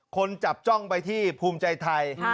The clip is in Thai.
คนจับจ้องไปที่ภูมิใจไทย